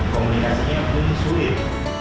komunikasinya pun sulit